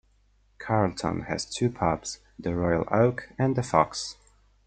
Carlton has two pubs, The Royal Oak and The Fox.